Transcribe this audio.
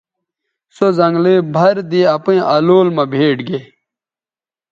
سو زنگلئ بَھر دے اپئیں الول مہ بھیٹ گے